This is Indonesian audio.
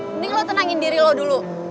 mending lo tenangin diri lo dulu